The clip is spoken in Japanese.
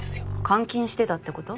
監禁してたってこと？